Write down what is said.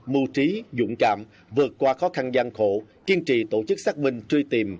mưu trí dũng cảm vượt qua khó khăn gian khổ kiên trì tổ chức xác minh truy tìm